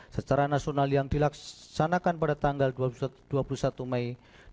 secara nasional yang dilaksanakan pada tanggal dua puluh satu mei dua ribu dua puluh